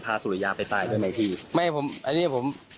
เขาก็อยากไปกับผมเนี่ย